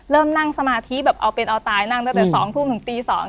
เริ่มนั่งสมาธิแบบเอาเป็นเอาตายนั่งตั้งแต่๒ทุ่มถึงตี๒